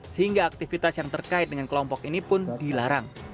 sehingga aktivitas yang terkait dengan kelompok ini pun dilarang